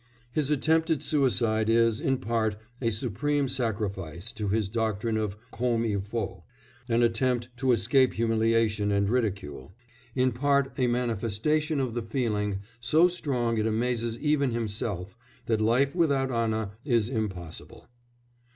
His attempted suicide is, in part, a supreme sacrifice to his doctrine of comme il faut, an attempt to escape humiliation and ridicule, in part a manifestation of the feeling, so strong it amazes even himself, that life without Anna is impossible.